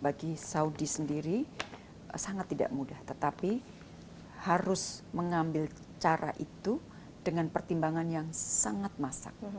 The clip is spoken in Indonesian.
bagi saudi sendiri sangat tidak mudah tetapi harus mengambil cara itu dengan pertimbangan yang sangat masak